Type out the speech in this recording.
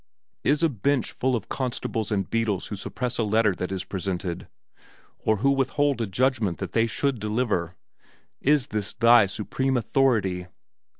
Is a bench full of constables and beadles who suppress a letter that is presented, or who withhold a judgment that they should deliver is this thy supreme authority?